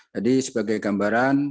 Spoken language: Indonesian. jadi sebagai gambaran